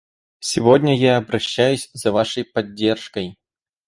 Сегодня я обращаюсь за вашей поддержкой.